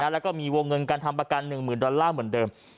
แล้วก็มีวงเงินการทำประกัน๑๐๐๐ดอลลาร์เหมือนเดิม